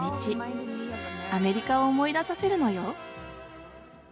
アメリカを思い出させるのよ。